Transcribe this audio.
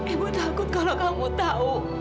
ibu takut kalau kamu tahu